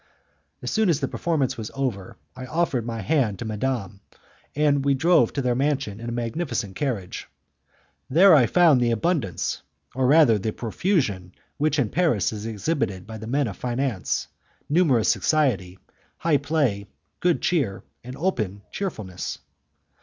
As soon as the performance was over, I offered my hand to madame, and we drove to their mansion in a magnificent carriage. There I found the abundance or rather the profusion which in Paris is exhibited by the men of finance; numerous society, high play, good cheer, and open cheerfulness.